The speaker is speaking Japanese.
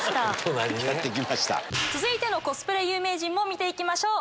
続いてのコスプレ有名人も見て行きましょう。